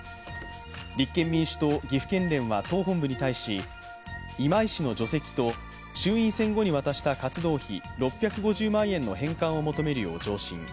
立憲民主党・岐阜県連は党本部に対し今井氏の除籍と、衆院選後に渡した活動費６５０万円の返還を求めるよう上申。